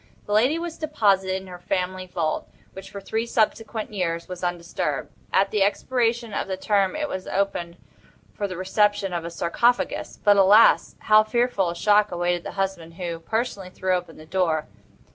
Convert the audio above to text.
The lady was deposited in her family vault, which, for three subsequent years, was undisturbed. At the expiration of this term it was opened for the reception of a sarcophagus; but, alas! how fearful a shock awaited the husband, who, personally, threw open the door!